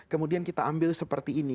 kemudian kita ambil seperti ini